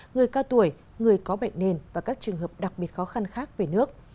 người cao tuổi người có bệnh nền và các trường hợp đặc biệt khó khăn khác về nước